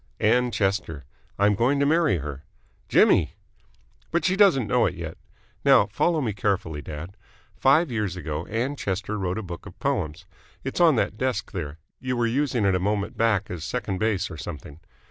"Ann Chester. I'm going to marry her." "Jimmy!" "But she doesn't know it yet. Now, follow me carefully, dad. Five years ago Ann Chester wrote a book of poems. It's on that desk there. You were using it a moment back as second base or something.